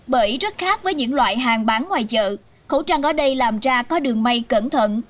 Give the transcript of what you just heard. bởi rất khác với những loại hàng bán ngoài chợ khẩu trang ở đây làm ra có đường may cẩn thận